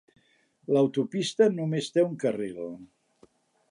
L'autopista només té un carril.